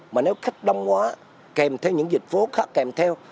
mà nếu khách đông quá kèm theo những dịch vụ khác kèm theo